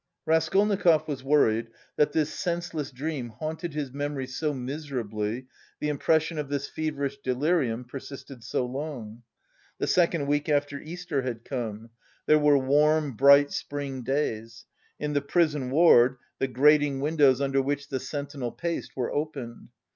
Raskolnikov was worried that this senseless dream haunted his memory so miserably, the impression of this feverish delirium persisted so long. The second week after Easter had come. There were warm bright spring days; in the prison ward the grating windows under which the sentinel paced were opened.